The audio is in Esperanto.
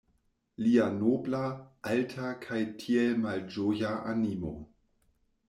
Lia nobla, alta kaj tiel malĝoja animo.